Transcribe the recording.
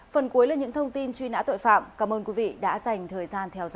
phần cuối là những thông tin truy nã tội phạm cảm ơn quý vị đã dành thời gian theo dõi